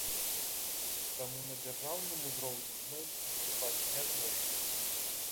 Таму на дзяржаўным узроўні мы выступаць не зможам.